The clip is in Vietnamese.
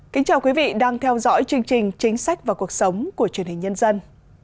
kính chào quý vị đang theo dõi chương trình chính sách và cuộc sống của truyền hình nhân dân